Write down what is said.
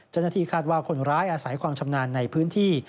เจ้าหน้าที่คาดว่าคนร้ายอาศัยความชำนาญในพื้นที่